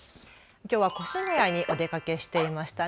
きょうは越谷にお出かけしていましたね。